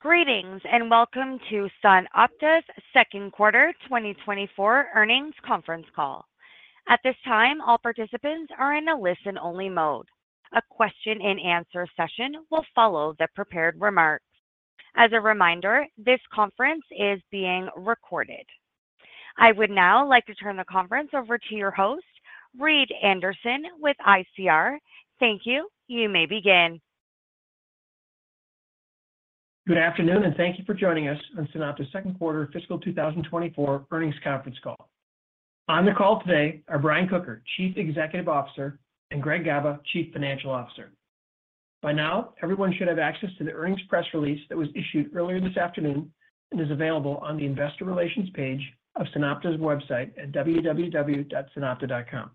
Greetings, and welcome to SunOpta's second quarter 2024 earnings conference call. At this time, all participants are in a listen-only mode. A question and answer session will follow the prepared remarks. As a reminder, this conference is being recorded. I would now like to turn the conference over to your host, Reed Anderson with ICR. Thank you. You may begin. Good afternoon, and thank you for joining us on SunOpta's second quarter fiscal 2024 earnings conference call. On the call today are Brian Kocher, Chief Executive Officer, and Greg Gaba, Chief Financial Officer. By now, everyone should have access to the earnings press release that was issued earlier this afternoon and is available on the Investor Relations page of SunOpta's website at www.sunopta.com.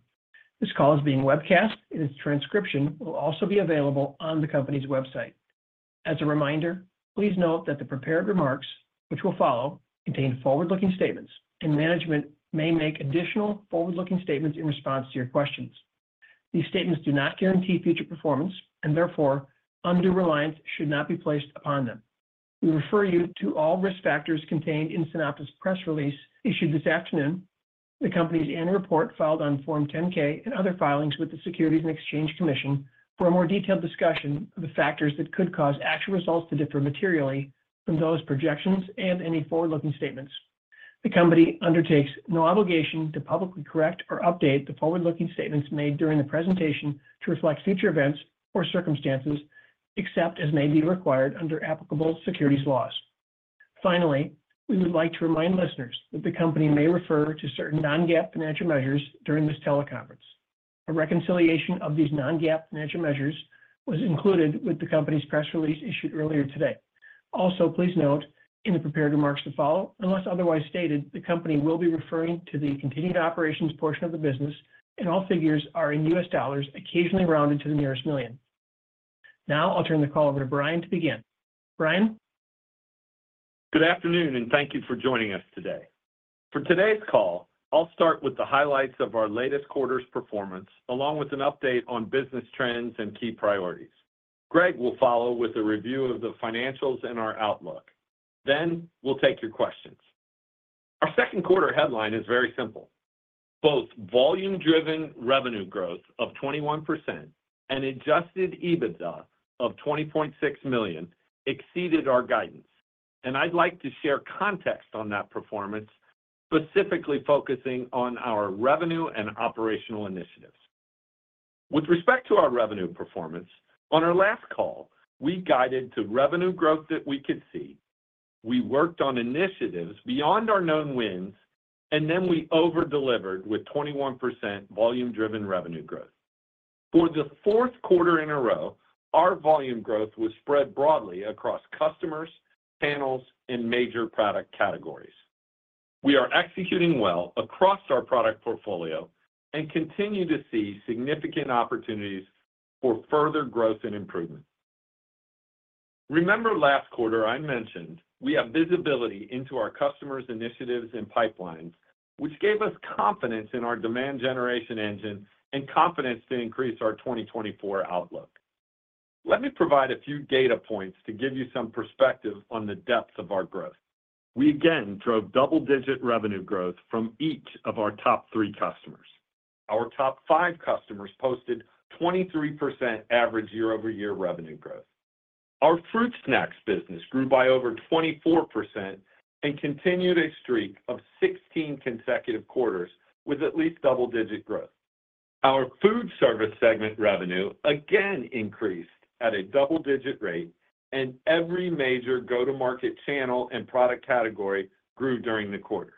This call is being webcast, and its transcription will also be available on the company's website. As a reminder, please note that the prepared remarks, which will follow, contain forward-looking statements, and management may make additional forward-looking statements in response to your questions. These statements do not guarantee future performance, and therefore, undue reliance should not be placed upon them. We refer you to all risk factors contained in SunOpta's press release issued this afternoon, the company's annual report filed on Form 10-K and other filings with the Securities and Exchange Commission for a more detailed discussion of the factors that could cause actual results to differ materially from those projections and any forward-looking statements. The company undertakes no obligation to publicly correct or update the forward-looking statements made during the presentation to reflect future events or circumstances, except as may be required under applicable securities laws. Finally, we would like to remind listeners that the company may refer to certain non-GAAP financial measures during this teleconference. A reconciliation of these non-GAAP financial measures was included with the company's press release issued earlier today. Also, please note, in the prepared remarks to follow, unless otherwise stated, the company will be referring to the continued operations portion of the business, and all figures are in U.S. dollars, occasionally rounded to the nearest million. Now, I'll turn the call over to Brian to begin. Brian? Good afternoon, and thank you for joining us today. For today's call, I'll start with the highlights of our latest quarter's performance, along with an update on business trends and key priorities. Greg will follow with a review of the financials and our outlook. Then, we'll take your questions. Our second quarter headline is very simple. Both volume-driven revenue growth of 21% and adjusted EBITDA of $20.6 million exceeded our guidance, and I'd like to share context on that performance, specifically focusing on our revenue and operational initiatives. With respect to our revenue performance, on our last call, we guided to revenue growth that we could see. We worked on initiatives beyond our known wins, and then we over-delivered with 21% volume-driven revenue growth. For the fourth quarter in a row, our volume growth was spread broadly across customers, channels, and major product categories. We are executing well across our product portfolio and continue to see significant opportunities for further growth and improvement. Remember last quarter I mentioned we have visibility into our customers' initiatives and pipelines, which gave us confidence in our demand generation engine and confidence to increase our 2024 outlook. Let me provide a few data points to give you some perspective on the depth of our growth. We again drove double-digit revenue growth from each of our top three customers. Our top five customers posted 23% average year-over-year revenue growth. Our fruit snacks business grew by over 24% and continued a streak of 16 consecutive quarters with at least double-digit growth. Our foodservice segment revenue again increased at a double-digit rate, and every major go-to-market channel and product category grew during the quarter.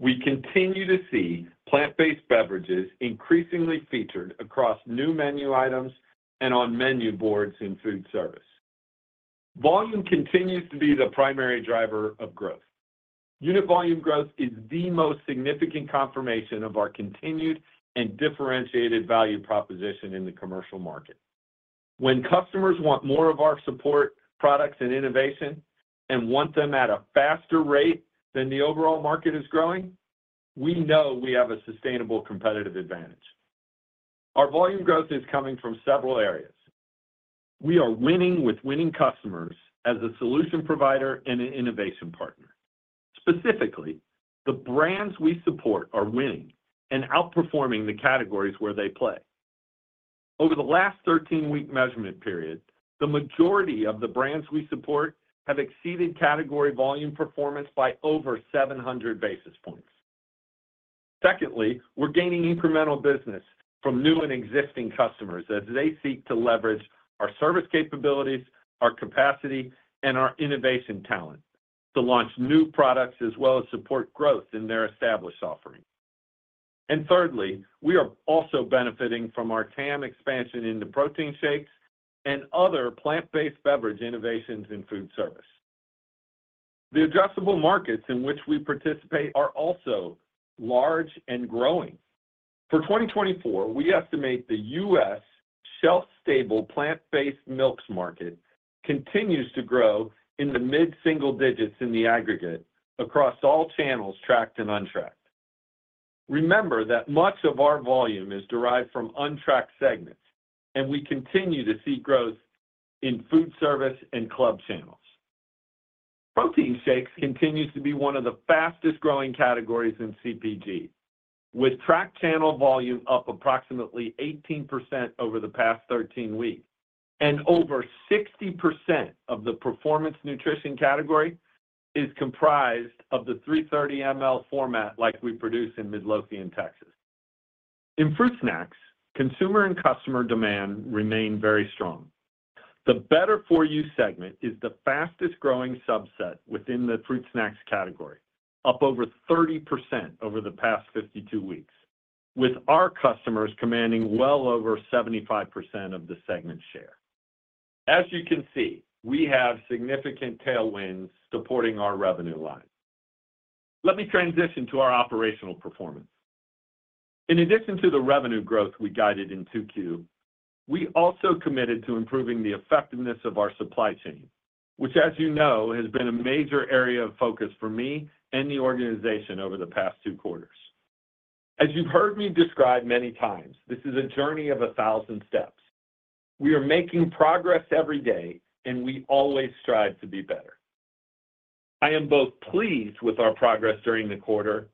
We continue to see plant-based beverages increasingly featured across new menu items and on menu boards in food service. Volume continues to be the primary driver of growth. Unit volume growth is the most significant confirmation of our continued and differentiated value proposition in the commercial market. When customers want more of our support, products, and innovation, and want them at a faster rate than the overall market is growing, we know we have a sustainable competitive advantage. Our volume growth is coming from several areas. We are winning with winning customers as a solution provider and an innovation partner. Specifically, the brands we support are winning and outperforming the categories where they play. Over the last 13-week measurement period, the majority of the brands we support have exceeded category volume performance by over 700 basis points. Secondly, we're gaining incremental business from new and existing customers as they seek to leverage our service capabilities, our capacity, and our innovation talent to launch new products, as well as support growth in their established offerings. And thirdly, we are also benefiting from our TAM expansion into protein shakes and other plant-based beverage innovations in food service. The adjustable markets in which we participate are also large and growing. For 2024, we estimate the U.S. shelf-stable, plant-based milks market continues to grow in the mid-single digits in the aggregate across all channels, tracked and untracked.... Remember that much of our volume is derived from untracked segments, and we continue to see growth in food service and club channels. Protein shakes continues to be one of the fastest-growing categories in CPG, with tracked channel volume up approximately 18% over the past 13 weeks, and over 60% of the performance nutrition category is comprised of the 330 ml format like we produce in Midlothian, Texas. In fruit snacks, consumer and customer demand remain very strong. The Better For You segment is the fastest-growing subset within the fruit snacks category, up over 30% over the past 52 weeks, with our customers commanding well over 75% of the segment share. As you can see, we have significant tailwinds supporting our revenue line. Let me transition to our operational performance. In addition to the revenue growth we guided in Q2, we also committed to improving the effectiveness of our supply chain, which, as you know, has been a major area of focus for me and the organization over the past two quarters. As you've heard me describe many times, this is a journey of 1,000 steps. We are making progress every day, and we always strive to be better. I am both pleased with our progress during the quarter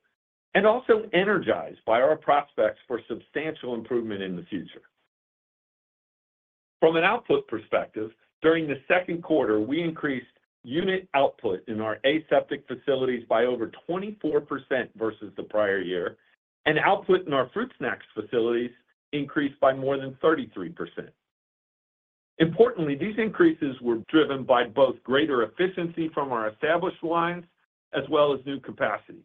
and also energized by our prospects for substantial improvement in the future. From an output perspective, during the second quarter, we increased unit output in our aseptic facilities by over 24% versus the prior year, and output in our fruit snacks facilities increased by more than 33%. Importantly, these increases were driven by both greater efficiency from our established lines as well as new capacity.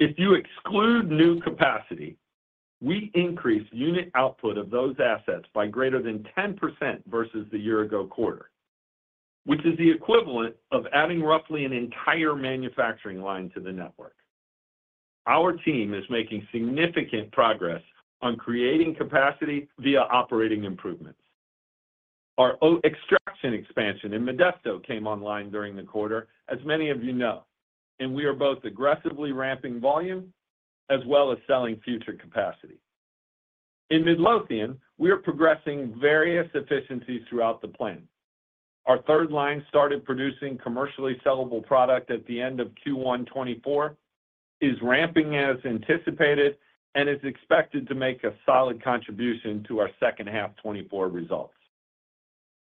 If you exclude new capacity, we increased unit output of those assets by greater than 10% versus the year ago quarter, which is the equivalent of adding roughly an entire manufacturing line to the network. Our team is making significant progress on creating capacity via operating improvements. Our oat extraction expansion in Modesto came online during the quarter, as many of you know, and we are both aggressively ramping volume as well as selling future capacity. In Midlothian, we are progressing various efficiencies throughout the plant. Our third line started producing commercially sellable product at the end of Q1 2024, is ramping as anticipated and is expected to make a solid contribution to our second half 2024 results.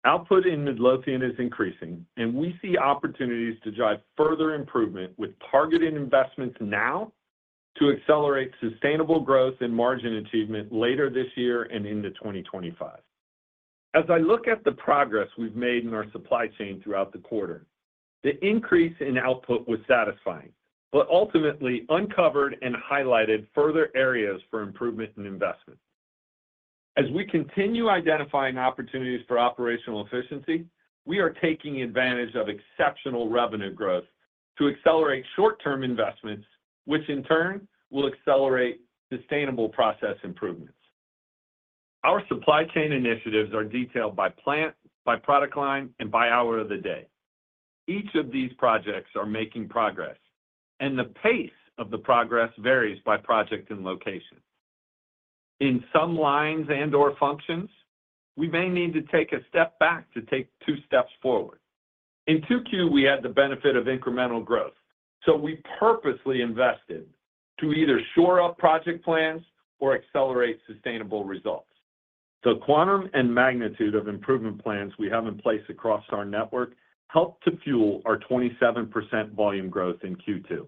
Output in Midlothian is increasing, and we see opportunities to drive further improvement with targeted investments now to accelerate sustainable growth and margin achievement later this year and into 2025. As I look at the progress we've made in our supply chain throughout the quarter, the increase in output was satisfying, but ultimately uncovered and highlighted further areas for improvement and investment. As we continue identifying opportunities for operational efficiency, we are taking advantage of exceptional revenue growth to accelerate short-term investments, which in turn will accelerate sustainable process improvements. Our supply chain initiatives are detailed by plant, by product line and by hour of the day. Each of these projects are making progress, and the pace of the progress varies by project and location. In some lines and or functions, we may need to take a step back to take two steps forward. In Q2, we had the benefit of incremental growth, so we purposely invested to either shore up project plans or accelerate sustainable results. The quantum and magnitude of improvement plans we have in place across our network helped to fuel our 27% volume growth in Q2.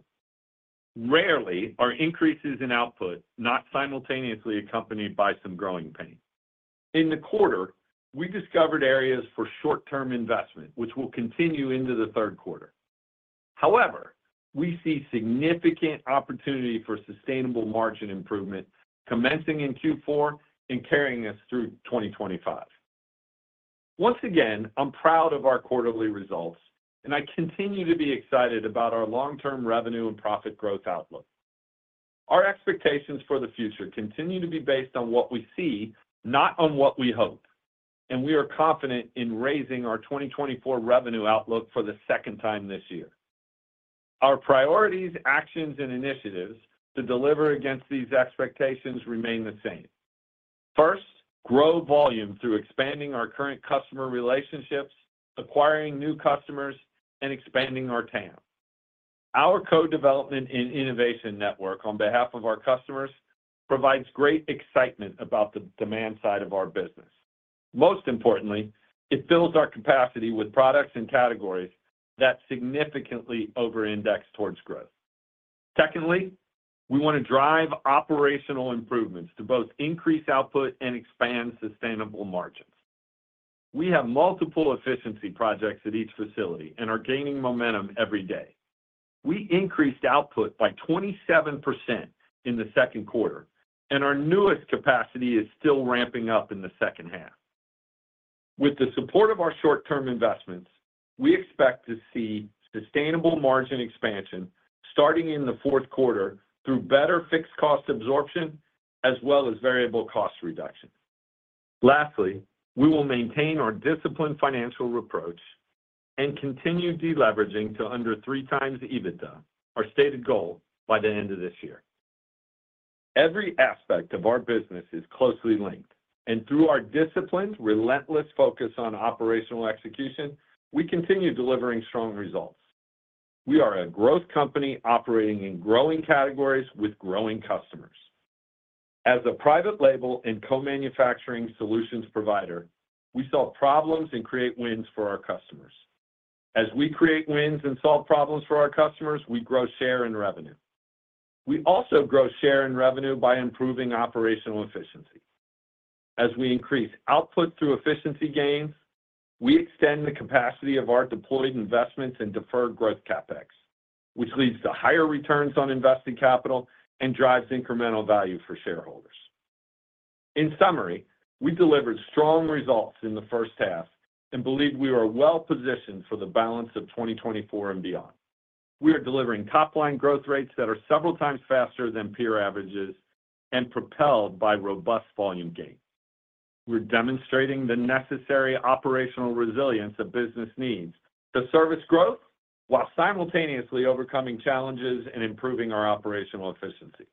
Rarely are increases in output, not simultaneously accompanied by some growing pain. In the quarter, we discovered areas for short-term investment, which will continue into the third quarter. However, we see significant opportunity for sustainable margin improvement commencing in Q4 and carrying us through 2025. Once again, I'm proud of our quarterly results, and I continue to be excited about our long-term revenue and profit growth outlook. Our expectations for the future continue to be based on what we see, not on what we hope, and we are confident in raising our 2024 revenue outlook for the second time this year. Our priorities, actions, and initiatives to deliver against these expectations remain the same. First, grow volume through expanding our current customer relationships, acquiring new customers, and expanding our TAM. Our co-development and innovation network on behalf of our customers provides great excitement about the demand side of our business. Most importantly, it fills our capacity with products and categories that significantly over-index towards growth. Secondly, we want to drive operational improvements to both increase output and expand sustainable margins. We have multiple efficiency projects at each facility and are gaining momentum every day. We increased output by 27% in the second quarter, and our newest capacity is still ramping up in the second half. With the support of our short-term investments, we expect to see sustainable margin expansion starting in the fourth quarter through better fixed cost absorption, as well as variable cost reduction. Lastly, we will maintain our disciplined financial approach and continue deleveraging to under three times EBITDA, our stated goal by the end of this year. Every aspect of our business is closely linked, and through our disciplined, relentless focus on operational execution, we continue delivering strong results. We are a growth company operating in growing categories with growing customers. As a private label and co-manufacturing solutions provider, we solve problems and create wins for our customers. As we create wins and solve problems for our customers, we grow share and revenue. We also grow share and revenue by improving operational efficiency. As we increase output through efficiency gains, we extend the capacity of our deployed investments and deferred growth CapEx, which leads to higher returns on invested capital and drives incremental value for shareholders. In summary, we delivered strong results in the first half and believe we are well positioned for the balance of 2024 and beyond. We are delivering top-line growth rates that are several times faster than peer averages and propelled by robust volume gains. We're demonstrating the necessary operational resilience a business needs to service growth while simultaneously overcoming challenges and improving our operational efficiency.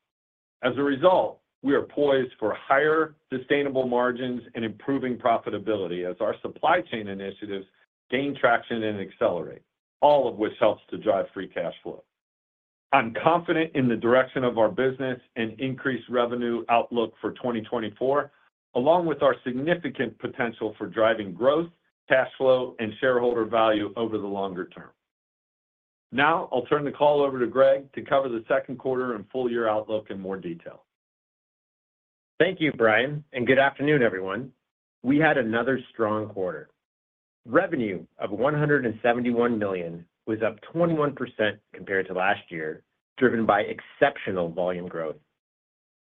As a result, we are poised for higher sustainable margins and improving profitability as our supply chain initiatives gain traction and accelerate, all of which helps to drive free cash flow. I'm confident in the direction of our business and increased revenue outlook for 2024, along with our significant potential for driving growth, cash flow, and shareholder value over the longer term. Now I'll turn the call over to Greg to cover the second quarter and full year outlook in more detail. Thank you, Brian, and good afternoon, everyone. We had another strong quarter. Revenue of $171 million was up 21% compared to last year, driven by exceptional volume growth.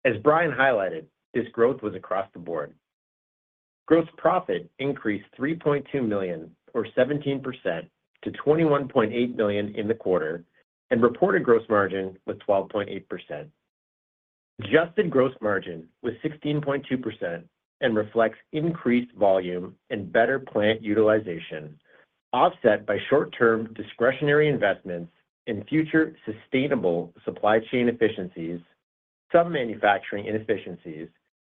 As Brian highlighted, this growth was across the board. Gross profit increased $3.2 million, or 17%, to $21.8 million in the quarter, and reported gross margin was 12.8%. Adjusted gross margin was 16.2% and reflects increased volume and better plant utilization, offset by short-term discretionary investments in future sustainable supply chain efficiencies, some manufacturing inefficiencies,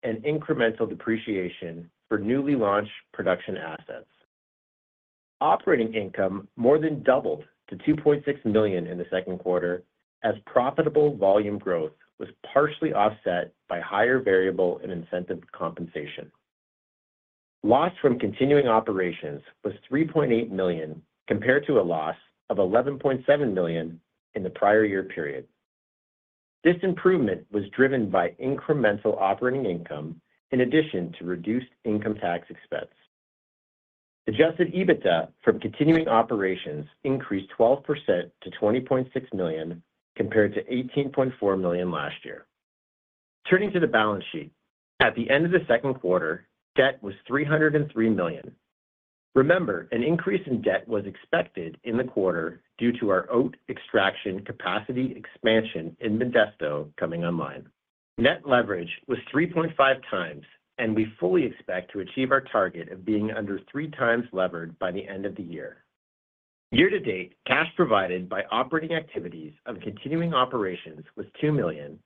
and incremental depreciation for newly launched production assets. Operating income more than doubled to $2.6 million in the second quarter, as profitable volume growth was partially offset by higher variable and incentive compensation. Loss from continuing operations was $3.8 million, compared to a loss of $11.7 million in the prior-year period. This improvement was driven by incremental operating income in addition to reduced income tax expense. Adjusted EBITDA from continuing operations increased 12% to $20.6 million, compared to $18.4 million last year. Turning to the balance sheet, at the end of the second quarter, debt was $303 million. Remember, an increase in debt was expected in the quarter due to our oat extraction capacity expansion in Modesto coming online. Net leverage was 3.5 times, and we fully expect to achieve our target of being under 3 times levered by the end of the year. Year to date, cash provided by operating activities of continuing operations was $2 million,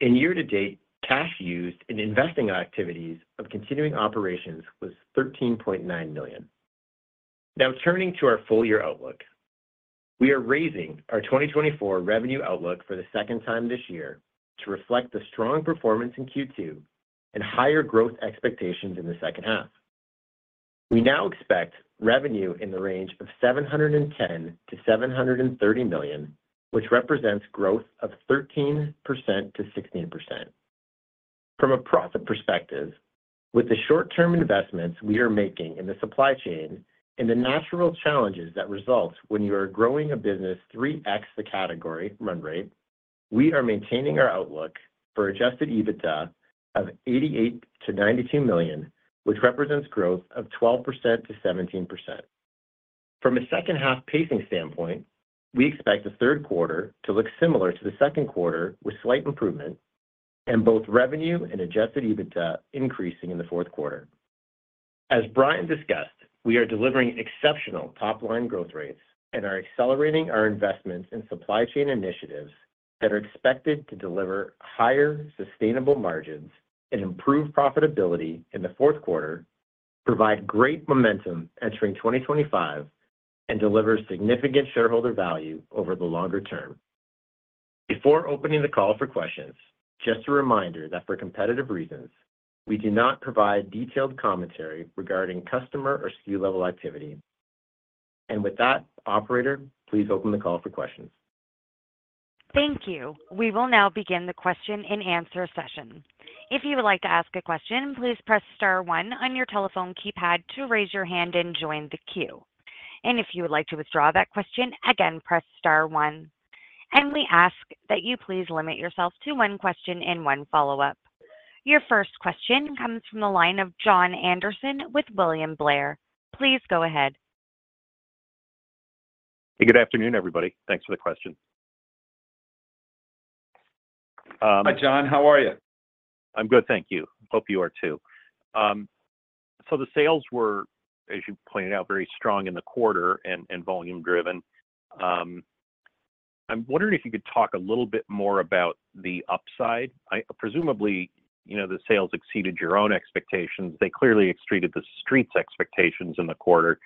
and year to date, cash used in investing activities of continuing operations was $13.9 million. Now, turning to our full year outlook. We are raising our 2024 revenue outlook for the second time this year to reflect the strong performance in Q2 and higher growth expectations in the second half. We now expect revenue in the range of $710 million-$730 million, which represents growth of 13%-16%. From a profit perspective, with the short-term investments we are making in the supply chain and the natural challenges that result when you are growing a business 3x the category run rate, we are maintaining our outlook for adjusted EBITDA of $88 million-$92 million, which represents growth of 12%-17%. From a second half pacing standpoint, we expect the third quarter to look similar to the second quarter, with slight improvement and both revenue and adjusted EBITDA increasing in the fourth quarter. As Brian discussed, we are delivering exceptional top-line growth rates and are accelerating our investments in supply chain initiatives that are expected to deliver higher sustainable margins and improve profitability in the fourth quarter, provide great momentum entering 2025, and deliver significant shareholder value over the longer term. Before opening the call for questions, just a reminder that for competitive reasons, we do not provide detailed commentary regarding customer or SKU level activity. And with that, operator, please open the call for questions. Thank you. We will now begin the question-and-answer session. If you would like to ask a question, please press star one on your telephone keypad to raise your hand and join the queue. And if you would like to withdraw that question, again, press star one. And we ask that you please limit yourself to one question and one follow-up. Your first question comes from the line of Jon Anderson with William Blair. Please go ahead. Hey, good afternoon, everybody. Thanks for the question. Hi, Jon. How are you? I'm good, thank you. Hope you are, too. So the sales were, as you pointed out, very strong in the quarter and, and volume-driven. I'm wondering if you could talk a little bit more about the upside. I presumably, you know, the sales exceeded your own expectations. They clearly exceeded the street's expectations in the quarter.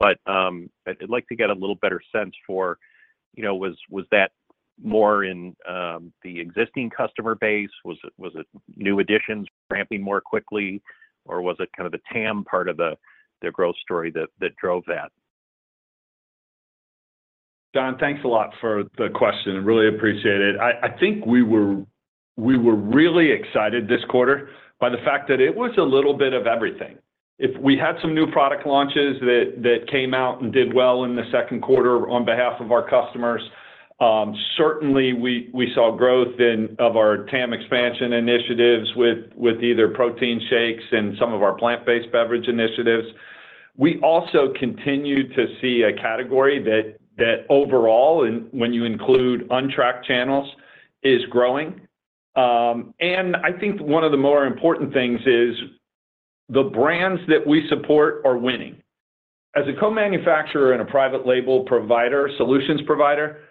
But, I'd like to get a little better sense for, you know, was, was that more in, the existing customer base? Was it, was it new additions ramping more quickly, or was it kind of the TAM part of the, the growth story that, that drove that? Jon, thanks a lot for the question, and really appreciate it. I think we were really excited this quarter by the fact that it was a little bit of everything. We had some new product launches that came out and did well in the second quarter on behalf of our customers. Certainly, we saw growth in our TAM expansion initiatives with either protein shakes and some of our plant-based beverage initiatives. We also continued to see a category that overall, and when you include untracked channels, is growing. And I think one of the more important things is the brands that we support are winning. As a co-manufacturer and a private label provider, solutions provider,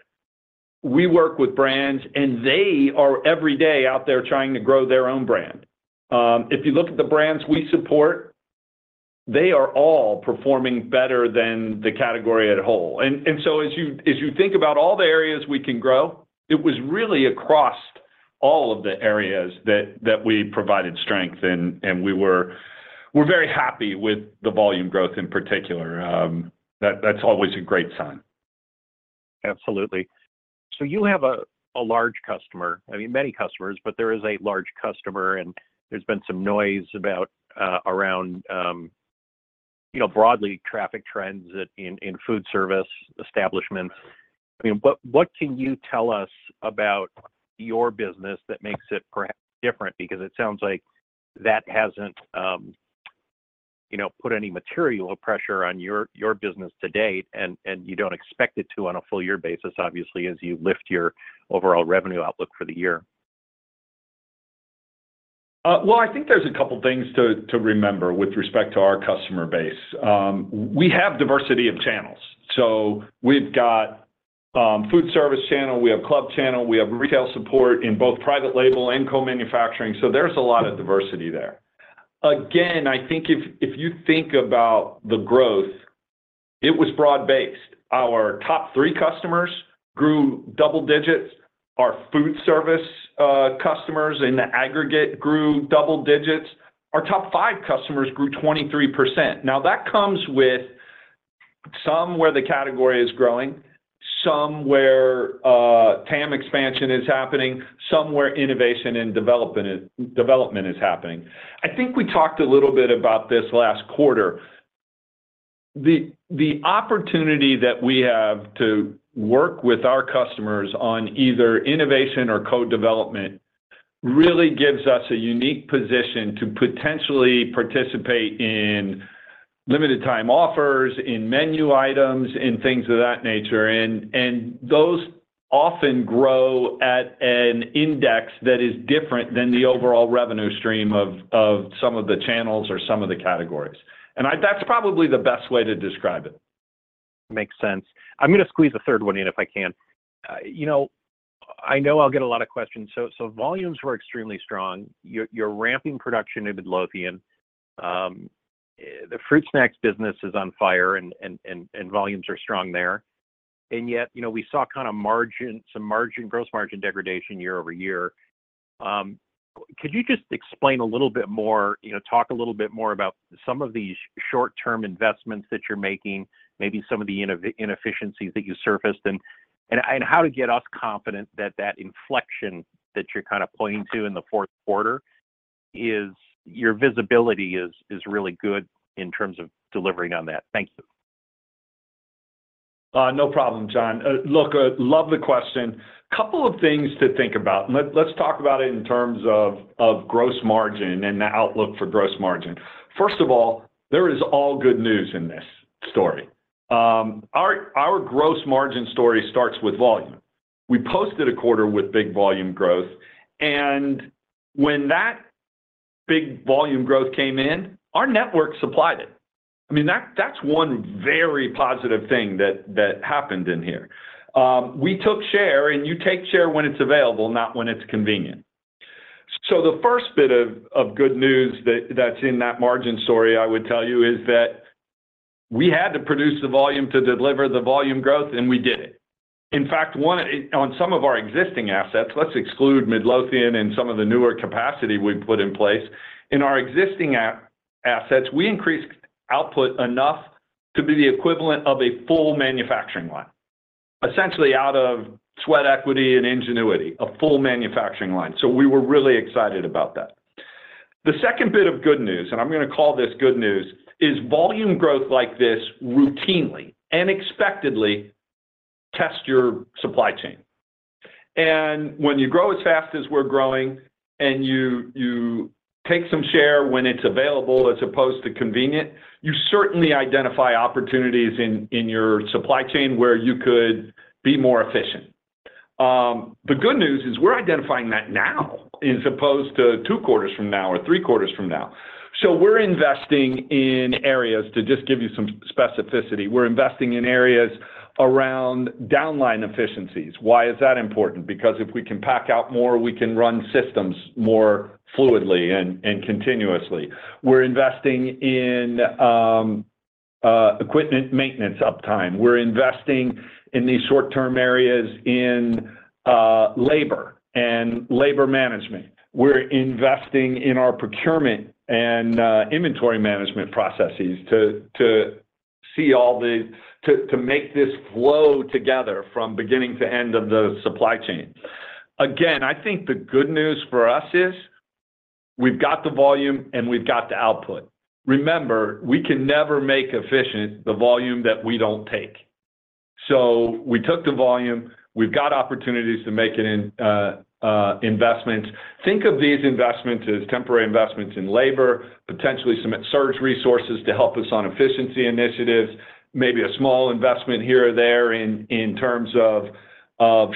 we work with brands, and they are every day out there trying to grow their own brand. If you look at the brands we support, they are all performing better than the category as a whole. And so as you think about all the areas we can grow, it was really across all of the areas that we provided strength, and we were, we're very happy with the volume growth, in particular. That, that's always a great sign. Absolutely. So you have a large customer, I mean, many customers, but there is a large customer, and there's been some noise about, around, you know, broadly traffic trends at, in food service establishments. I mean, but what can you tell us about your business that makes it perhaps different? Because it sounds like that hasn't, you know, put any material pressure on your, your business to date, and, and you don't expect it to, on a full year basis, obviously, as you lift your overall revenue outlook for the year. Well, I think there's a couple things to remember with respect to our customer base. We have diversity of channels, so we've got food service channel, we have club channel, we have retail support in both private label and co-manufacturing, so there's a lot of diversity there. Again, I think if you think about the growth, it was broad-based. Our top 3 customers grew double digits. Our food service customers in the aggregate grew double digits. Our top 5 customers grew 23%. Now, that comes with somewhere the category is growing, somewhere TAM expansion is happening, somewhere innovation and development is happening. I think we talked a little bit about this last quarter. The opportunity that we have to work with our customers on either innovation or co-development really gives us a unique position to potentially participate in limited time offers, in menu items, in things of that nature, and those often grow at an index that is different than the overall revenue stream of some of the channels or some of the categories. And that's probably the best way to describe it. Makes sense. I'm gonna squeeze a third one in, if I can. You know, I know I'll get a lot of questions. So, so volumes were extremely strong. You're, you're ramping production in Midlothian. The fruit snacks business is on fire, and volumes are strong there. And yet, you know, we saw kind of margin some margin, gross margin degradation year-over-year. Could you just explain a little bit more, you know, talk a little bit more about some of these short-term investments that you're making, maybe some of the inefficiencies that you surfaced, and how to get us confident that that inflection that you're kind of pointing to in the fourth quarter is your visibility is really good in terms of delivering on that. Thank you. No problem, Jon. Look, love the question. Couple of things to think about. Let's talk about it in terms of gross margin and the outlook for gross margin. First of all, there is all good news in this story. Our gross margin story starts with volume. We posted a quarter with big volume growth, and when that big volume growth came in, our network supplied it. I mean, that's one very positive thing that happened in here. We took share, and you take share when it's available, not when it's convenient. So the first bit of good news that's in that margin story, I would tell you, is that we had to produce the volume to deliver the volume growth, and we did it. In fact, one on some of our existing assets, let's exclude Midlothian and some of the newer capacity we've put in place. In our existing assets, we increased output enough to be the equivalent of a full manufacturing line, essentially out of sweat equity and ingenuity, a full manufacturing line. So we were really excited about that. The second bit of good news, and I'm gonna call this good news, is volume growth like this routinely and expectedly test your supply chain. And when you grow as fast as we're growing, and you take some share when it's available as opposed to convenient. You certainly identify opportunities in your supply chain where you could be more efficient. The good news is we're identifying that now as opposed to two quarters from now or three quarters from now. So we're investing in areas, to just give you some specificity, we're investing in areas around downline efficiencies. Why is that important? Because if we can pack out more, we can run systems more fluidly and continuously. We're investing in equipment maintenance uptime. We're investing in these short-term areas in labor and labor management. We're investing in our procurement and inventory management processes to see all the to make this flow together from beginning to end of the supply chain. Again, I think the good news for us is we've got the volume and we've got the output. Remember, we can never make efficient the volume that we don't take. So we took the volume. We've got opportunities to make it in investments. Think of these investments as temporary investments in labor, potentially some surge resources to help us on efficiency initiatives, maybe a small investment here or there in terms of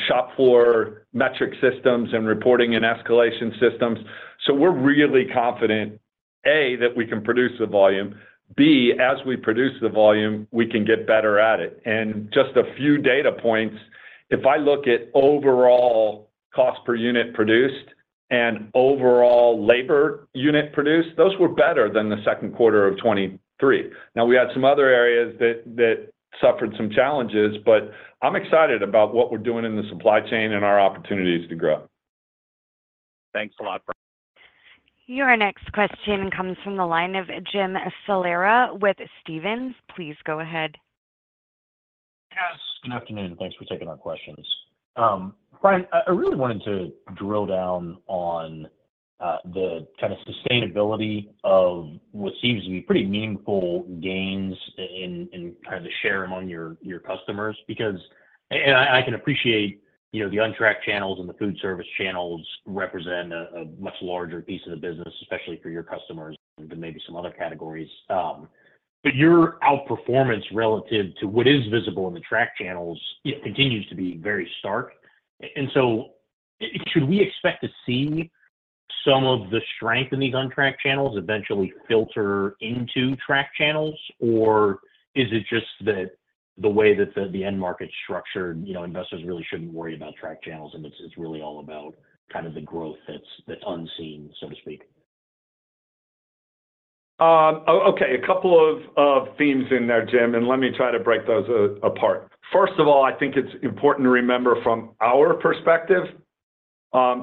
shop floor metric systems and reporting and escalation systems. So we're really confident, A, that we can produce the volume, B, as we produce the volume, we can get better at it. And just a few data points, if I look at overall cost per unit produced and overall labor unit produced, those were better than the second quarter of 2023. Now, we had some other areas that suffered some challenges, but I'm excited about what we're doing in the supply chain and our opportunities to grow. Thanks a lot, Brian. Your next question comes from the line of Jim Salera with Stephens. Please go ahead. Yes, good afternoon, and thanks for taking our questions. Brian, I really wanted to drill down on the kind of sustainability of what seems to be pretty meaningful gains in kind of the share among your customers, because, and I can appreciate, you know, the untracked channels and the food service channels represent a much larger piece of the business, especially for your customers than maybe some other categories. But your outperformance relative to what is visible in the tracked channels, it continues to be very stark. Should we expect to see some of the strength in these untracked channels eventually filter into track channels, or is it just that the way that the, the end market's structured, you know, investors really shouldn't worry about track channels, and it's, it's really all about kind of the growth that's, that's unseen, so to speak? Okay, a couple of themes in there, Jim, and let me try to break those apart. First of all, I think it's important to remember from our perspective,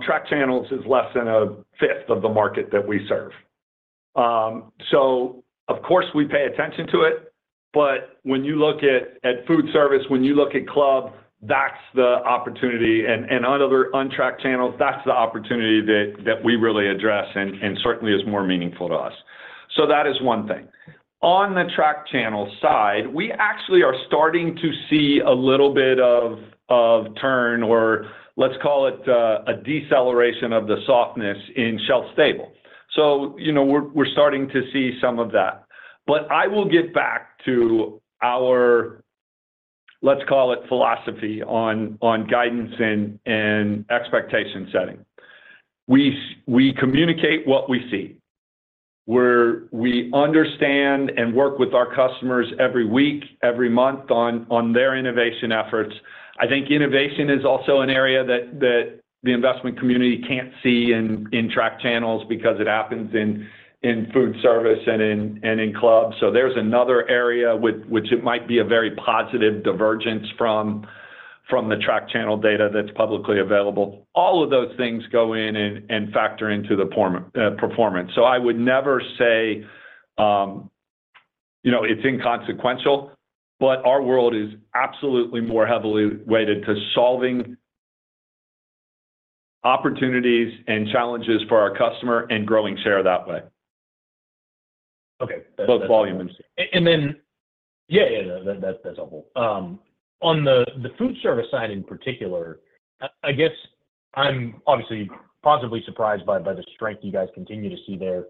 tracked channels is less than a fifth of the market that we serve. So of course, we pay attention to it, but when you look at food service, when you look at club, that's the opportunity, and on other untracked channels, that's the opportunity that we really address and certainly is more meaningful to us. So that is one thing. On the tracked channel side, we actually are starting to see a little bit of turn, or let's call it, a deceleration of the softness in shelf stable. So, you know, we're starting to see some of that. But I will get back to our, let's call it, philosophy on guidance and expectation setting. We communicate what we see, where we understand and work with our customers every week, every month on their innovation efforts. I think innovation is also an area that the investment community can't see in track channels because it happens in food service and in clubs. So there's another area which it might be a very positive divergence from the track channel data that's publicly available. All of those things go in and factor into the performance. So I would never say, you know, it's inconsequential, but our world is absolutely more heavily weighted to solving opportunities and challenges for our customer and growing share that way. Okay. Both volume and- And then, yeah, that, that's helpful. On the, the food service side in particular, I, I guess I'm obviously positively surprised by, by the strength you guys continue to see there,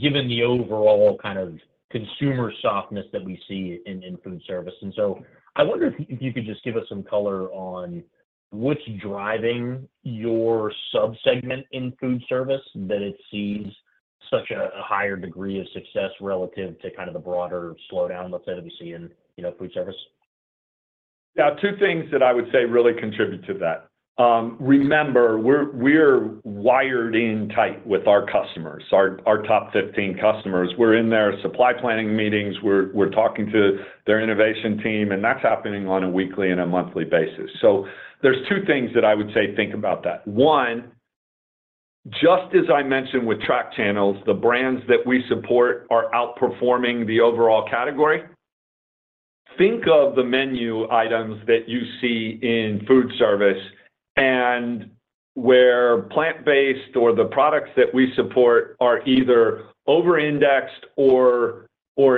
given the overall kind of consumer softness that we see in, in food service. And so I wonder if, if you could just give us some color on what's driving your subsegment in food service, that it sees such a, a higher degree of success relative to kind of the broader slowdown, let's say, that we see in, you know, food service? Yeah, two things that I would say really contribute to that. Remember, we're wired in tight with our customers, our top 15 customers. We're in their supply planning meetings. We're talking to their innovation team, and that's happening on a weekly and a monthly basis. So there's two things that I would say think about that: One, just as I mentioned with retail channels, the brands that we support are outperforming the overall category. Think of the menu items that you see in food service and where plant-based or the products that we support are either over-indexed or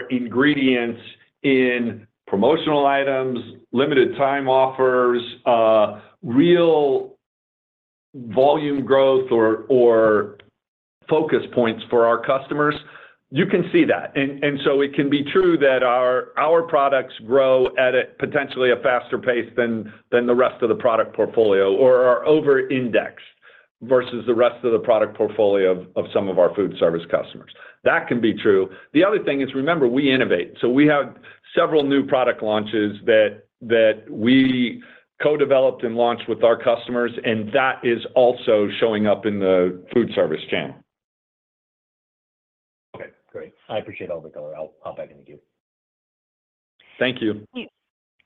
ingredients in promotional items, limited time offers, volume growth or focus points for our customers, you can see that. And so it can be true that our products grow at a potentially faster pace than the rest of the product portfolio or are over-indexed versus the rest of the product portfolio of some of our food service customers. That can be true. The other thing is, remember, we innovate. So we have several new product launches that we co-developed and launched with our customers, and that is also showing up in the food service channel. Okay, great. I appreciate all the color. I'll back into you. Thank you.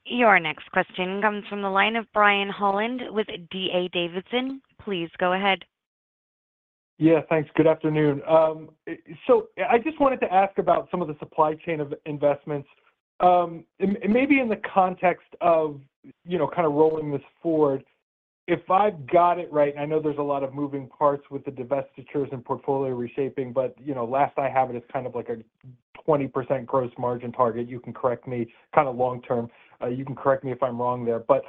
Your next question comes from the line of Brian Holland with D.A. Davidson. Please go ahead. Yeah, thanks. Good afternoon. So I just wanted to ask about some of the supply chain of investments. And maybe in the context of, you know, kind of rolling this forward. If I've got it right, I know there's a lot of moving parts with the divestitures and portfolio reshaping, but, you know, last I have it, it's kind of like a 20% gross margin target. You can correct me, kind of long term. You can correct me if I'm wrong there. But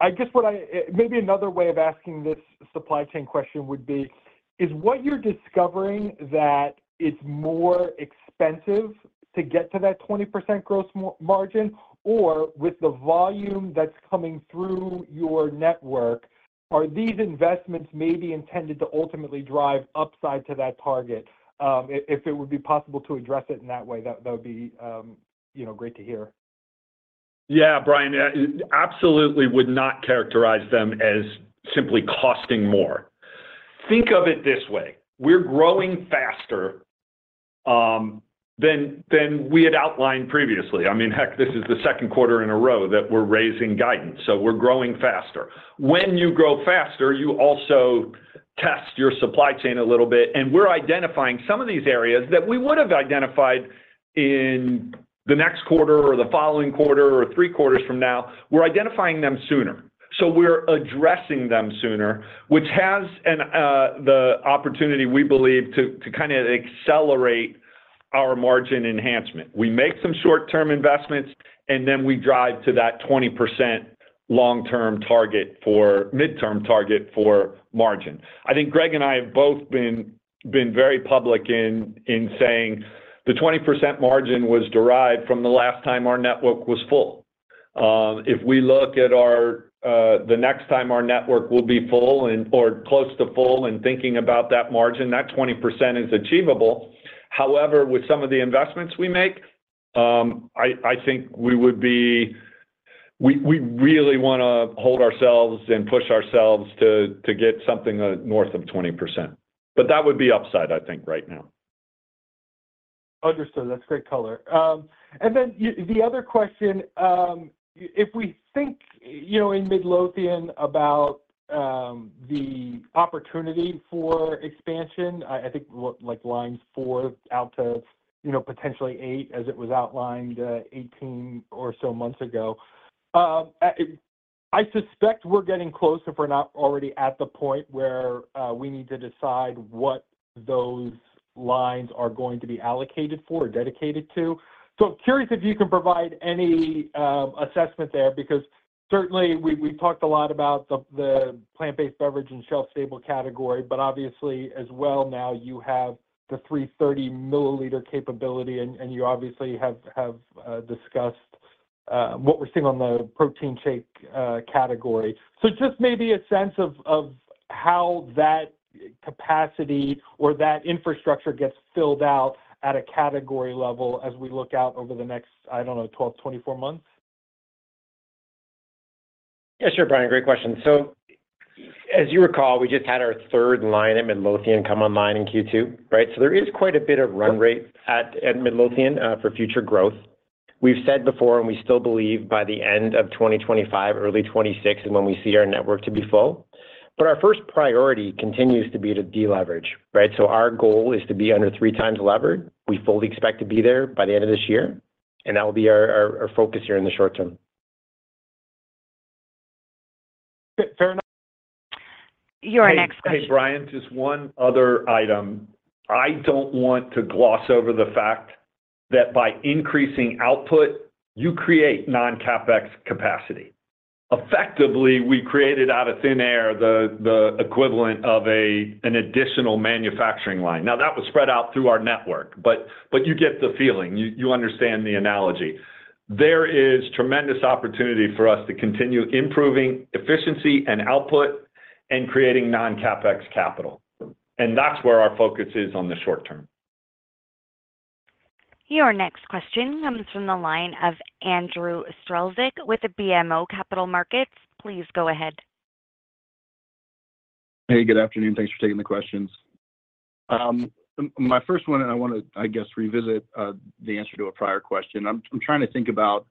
I guess what I, maybe another way of asking this supply chain question would be: is what you're discovering that it's more expensive to get to that 20% gross margin, or with the volume that's coming through your network, are these investments maybe intended to ultimately drive upside to that target? If it would be possible to address it in that way, that would be, you know, great to hear. Yeah, Brian, absolutely would not characterize them as simply costing more. Think of it this way: we're growing faster than we had outlined previously. I mean, heck, this is the second quarter in a row that we're raising guidance, so we're growing faster. When you grow faster, you also test your supply chain a little bit, and we're identifying some of these areas that we would have identified in the next quarter or the following quarter or three quarters from now. We're identifying them sooner, so we're addressing them sooner, which has an the opportunity, we believe, to kinda accelerate our margin enhancement. We make some short-term investments, and then we drive to that 20% long-term target for midterm target for margin. I think Greg and I have both been very public in saying the 20% margin was derived from the last time our network was full. If we look at our the next time our network will be full and or close to full, and thinking about that margin, that 20% is achievable. However, with some of the investments we make, I think we would be we really wanna hold ourselves and push ourselves to get something north of 20%. But that would be upside, I think, right now. Understood. That's great color. And then the other question, if we think, you know, in Midlothian about, the opportunity for expansion, I think, what, like lines 4 out to, you know, potentially 8, as it was outlined, 18 or so months ago. I suspect we're getting close, if we're not already at the point, where, we need to decide what those lines are going to be allocated for or dedicated to. So I'm curious if you can provide any, assessment there, because certainly we talked a lot about the plant-based beverage and shelf-stable category, but obviously as well now you have the 330 ml capability, and you obviously have discussed what we're seeing on the protein shake category. Just maybe a sense of how that capacity or that infrastructure gets filled out at a category level as we look out over the next, I don't know, 12-24 months. Yeah, sure, Brian, great question. So as you recall, we just had our third line at Midlothian come online in Q2, right? So there is quite a bit of run rate at Midlothian for future growth. We've said before, and we still believe by the end of 2025, early 2026, is when we see our network to be full. But our first priority continues to be to deleverage, right? So our goal is to be under three times levered. We fully expect to be there by the end of this year, and that will be our focus here in the short term. Fair enough. Your next question- Hey, Brian, just one other item. I don't want to gloss over the fact that by increasing output, you create non-CapEx capacity. Effectively, we created out of thin air the equivalent of an additional manufacturing line. Now, that was spread out through our network, but you get the feeling, you understand the analogy. There is tremendous opportunity for us to continue improving efficiency and output and creating non-CapEx capital, and that's where our focus is on the short term. Your next question comes from the line of Andrew Strelzik with BMO Capital Markets. Please go ahead. Hey, good afternoon. Thanks for taking the questions. My first one, and I want to, I guess, revisit the answer to a prior question. I'm trying to think about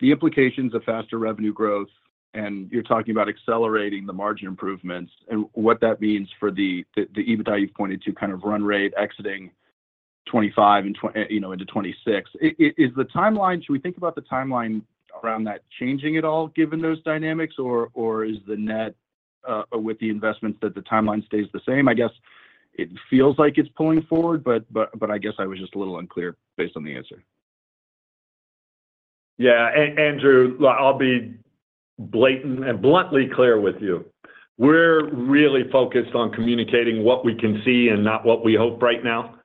the implications of faster revenue growth, and you're talking about accelerating the margin improvements and what that means for the EBITDA you've pointed to kind of run rate, exiting 2025 and, you know, into 2026. Is the timeline .Should we think about the timeline around that changing at all, given those dynamics, or is the net, with the investments that the timeline stays the same? I guess it feels like it's pulling forward, but I guess I was just a little unclear based on the answer. Yeah, Andrew, I'll be blatant and bluntly clear with you. We're really focused on communicating what we can see and not what we hope right now.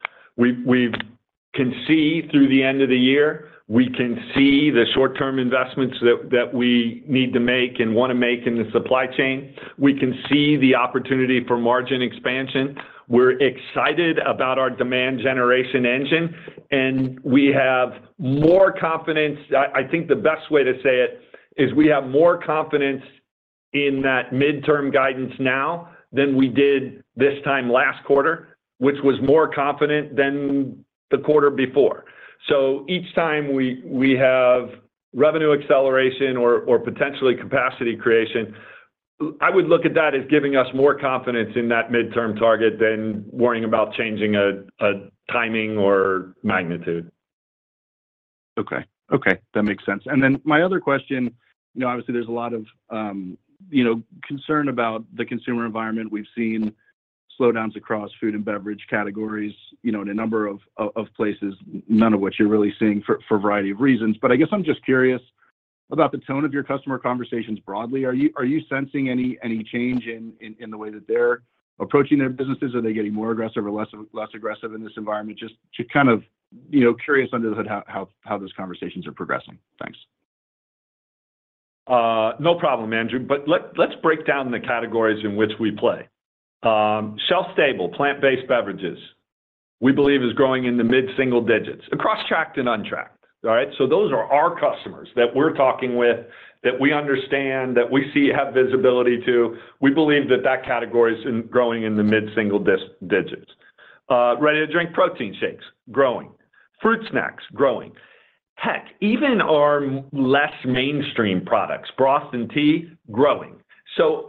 We can see through the end of the year. We can see the short-term investments that we need to make and wanna make in the supply chain. We can see the opportunity for margin expansion. We're excited about our demand generation engine, and we have more confidence. I think the best way to say it is we have more confidence in that midterm guidance now than we did this time last quarter, which was more confident than the quarter before. So each time we have revenue acceleration or potentially capacity creation, I would look at that as giving us more confidence in that midterm target than worrying about changing a timing or magnitude. Okay. Okay, that makes sense. And then my other question, you know, obviously, there's a lot of, you know, concern about the consumer environment. We've seen slowdowns across food and beverage categories, you know, in a number of places, none of which you're really seeing for a variety of reasons. But I guess I'm just curious about the tone of your customer conversations broadly. Are you sensing any change in the way that they're approaching their businesses? Are they getting more aggressive or less aggressive in this environment? Just to kind of, you know, curious under the hood how those conversations are progressing. Thanks. No problem, Andrew. But let's break down the categories in which we play. Shelf-stable, plant-based beverages, we believe is growing in the mid-single digits, across tracked and untracked. All right? So those are our customers that we're talking with, that we understand, that we see have visibility to. We believe that that category is growing in the mid-single digits. Ready-to-drink protein shakes, growing; fruit snacks, growing. Heck, even our less mainstream products, broth and tea, growing. So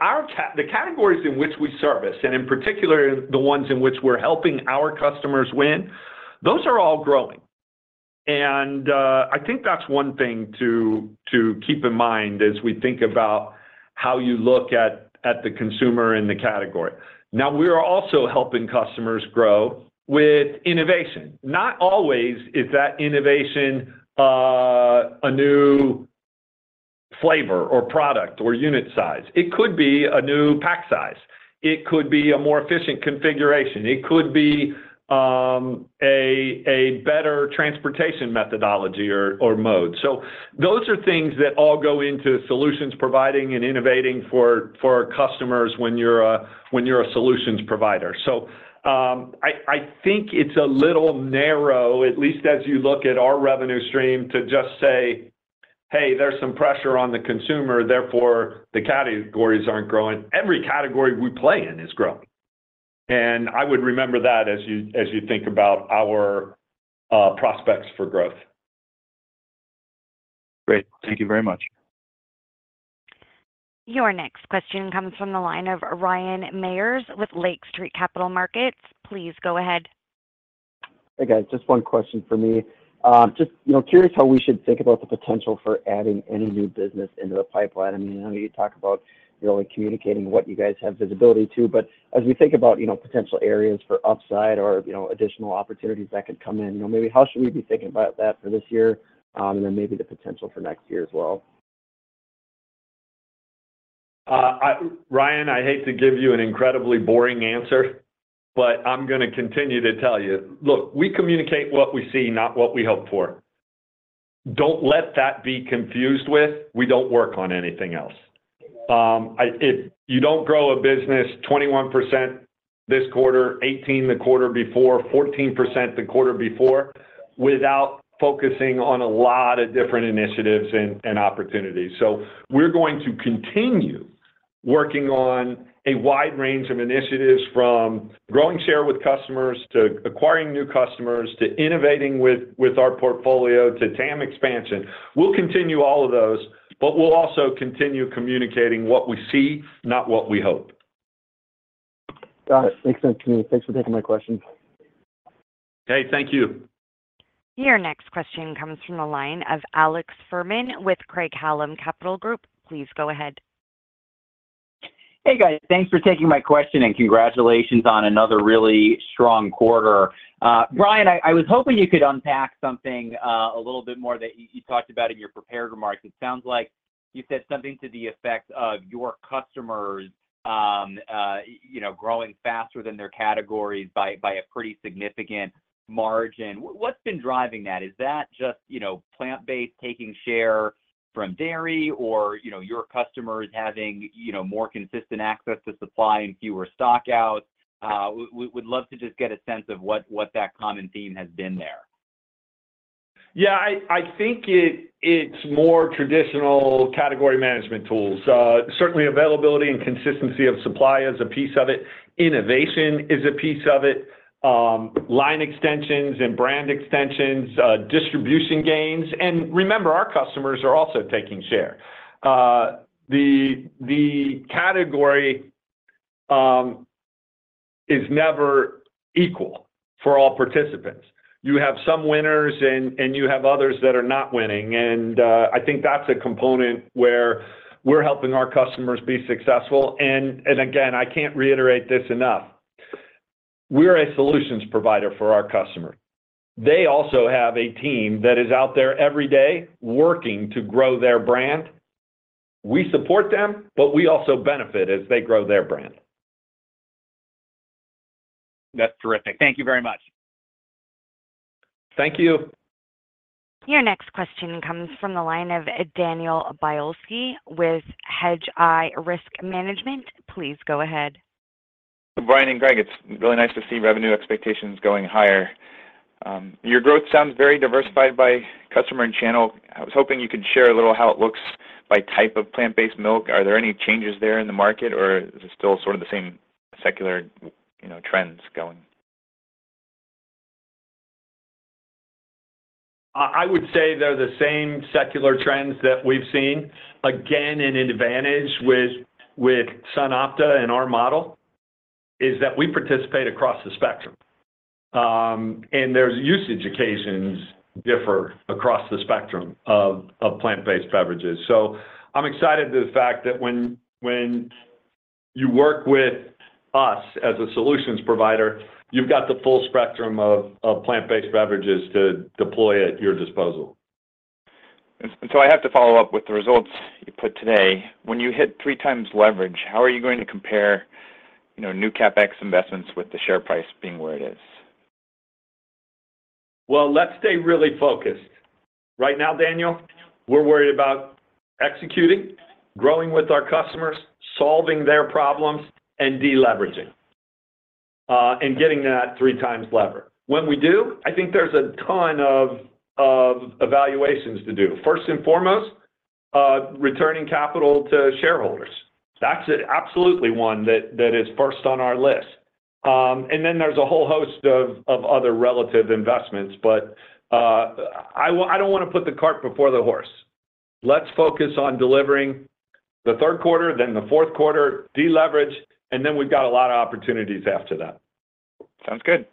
the categories in which we service, and in particular, the ones in which we're helping our customers win, those are all growing. And I think that's one thing to keep in mind as we think about how you look at the consumer in the category. Now, we are also helping customers grow with innovation. Not always is that innovation a new flavor or product or unit size. It could be a new pack size, it could be a more efficient configuration, it could be a better transportation methodology or mode. So those are things that all go into solutions providing and innovating for our customers when you're a solutions provider. So, I think it's a little narrow, at least as you look at our revenue stream, to just say, "Hey, there's some pressure on the consumer, therefore, the categories aren't growing." Every category we play in is growing, and I would remember that as you think about our prospects for growth. Great. Thank you very much. Your next question comes from the line of Ryan Meyers with Lake Street Capital Markets. Please go ahead. Hey, guys, just one question for me. Just, you know, curious how we should think about the potential for adding any new business into the pipeline? I mean, I know you talk about, you know, communicating what you guys have visibility to, but as we think about, you know, potential areas for upside or, you know, additional opportunities that could come in, you know, maybe how should we be thinking about that for this year, and then maybe the potential for next year as well? Ryan, I hate to give you an incredibly boring answer, but I'm gonna continue to tell you, look, we communicate what we see, not what we hope for. Don't let that be confused with, we don't work on anything else. You don't grow a business 21% this quarter, 18% the quarter before, 14% the quarter before, without focusing on a lot of different initiatives and opportunities. So we're going to continue working on a wide range of initiatives, from growing share with customers, to acquiring new customers, to innovating with our portfolio, to TAM expansion. We'll continue all of those, but we'll also continue communicating what we see, not what we hope. Got it. Makes sense to me. Thanks for taking my question. Hey, thank you. Your next question comes from the line of Alex Furman with Craig-Hallum Capital Group. Please go ahead. Hey, guys. Thanks for taking my question, and congratulations on another really strong quarter. Brian, I was hoping you could unpack something a little bit more that you talked about in your prepared remarks. It sounds like you said something to the effect of your customers, you know, growing faster than their categories by a pretty significant margin. What's been driving that? Is that just, you know, plant-based taking share from dairy or, you know, your customers having, you know, more consistent access to supply and fewer stockouts? We would love to just get a sense of what that common theme has been there. Yeah, I think it's more traditional category management tools. Certainly, availability and consistency of supply is a piece of it, innovation is a piece of it, line extensions and brand extensions, distribution gains, and remember, our customers are also taking share. The category is never equal for all participants. You have some winners and you have others that are not winning, and I think that's a component where we're helping our customers be successful. And again, I can't reiterate this enough. We are a solutions provider for our customer. They also have a team that is out there every day working to grow their brand. We support them, but we also benefit as they grow their brand. That's terrific. Thank you very much. Thank you. Your next question comes from the line of, Daniel Biolsi with Hedgeye Risk Management. Please go ahead. Brian and Greg, it's really nice to see revenue expectations going higher. Your growth sounds very diversified by customer and channel. I was hoping you could share a little how it looks by type of plant-based milk. Are there any changes there in the market, or is it still sort of the same secular, you know, trends going? I would say they're the same secular trends that we've seen. Again, an advantage with SunOpta and our model is that we participate across the spectrum. And there's usage occasions differ across the spectrum of plant-based beverages. So I'm excited to the fact that when you work with us as a solutions provider, you've got the full spectrum of plant-based beverages to deploy at your disposal. I have to follow up with the results you put today. When you hit 3x leverage, how are you going to compare, you know, new CapEx investments with the share price being where it is? Well, let's stay really focused. Right now, Daniel, we're worried about executing, growing with our customers, solving their problems, and deleveraging, and getting that three times lever. When we do, I think there's a ton of evaluations to do. First and foremost, returning capital to shareholders. That's absolutely one that is first on our list. And then there's a whole host of other relative investments, but, I don't wanna put the cart before the horse. Let's focus on delivering the third quarter, then the fourth quarter, deleverage, and then we've got a lot of opportunities after that. Sounds good.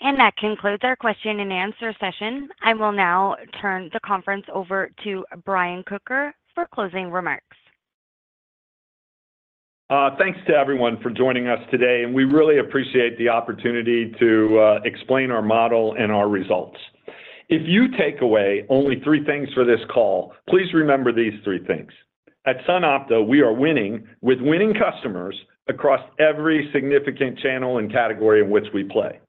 That concludes our question-and-answer session. I will now turn the conference over to Brian Kocher for closing remarks. Thanks to everyone for joining us today, and we really appreciate the opportunity to explain our model and our results. If you take away only three things for this call, please remember these three things. At SunOpta, we are winning with winning customers across every significant channel and category in which we play.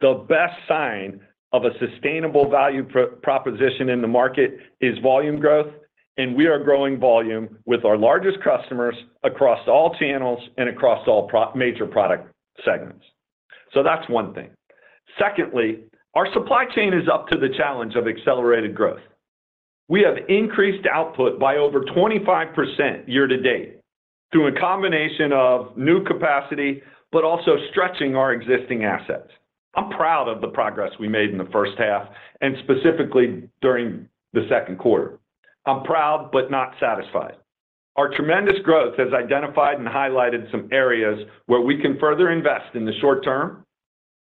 The best sign of a sustainable value proposition in the market is volume growth, and we are growing volume with our largest customers across all channels and across all major product segments. So that's one thing. Secondly, our supply chain is up to the challenge of accelerated growth. We have increased output by over 25% year to date, through a combination of new capacity, but also stretching our existing assets. I'm proud of the progress we made in the first half, and specifically during the second quarter. I'm proud but not satisfied. Our tremendous growth has identified and highlighted some areas where we can further invest in the short term,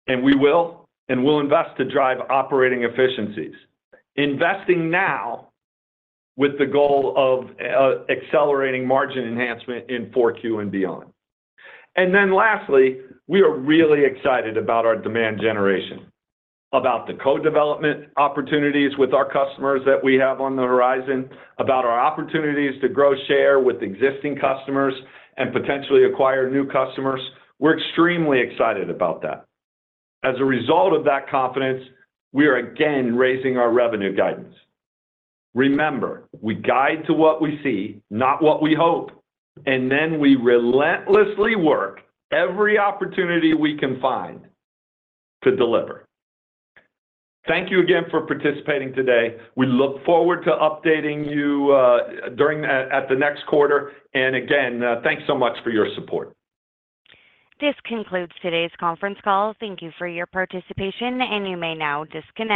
and we will, and we'll invest to drive operating efficiencies. Investing now with the goal of accelerating margin enhancement in 4Q and beyond. And then lastly, we are really excited about our demand generation, about the co-development opportunities with our customers that we have on the horizon, about our opportunities to grow share with existing customers and potentially acquire new customers. We're extremely excited about that. As a result of that confidence, we are again raising our revenue guidance. Remember, we guide to what we see, not what we hope, and then we relentlessly work every opportunity we can find to deliver. Thank you again for participating today. We look forward to updating you, during, at the next quarter. And again, thanks so much for your support. This concludes today's conference call. Thank you for your participation, and you may now disconnect.